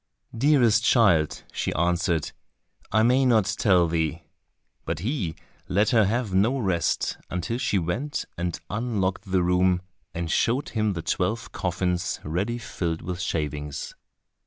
"Dearest child," she answered, "I may not tell thee." But he let her have no rest until she went and unlocked the room, and showed him the twelve coffins ready filled with shavings.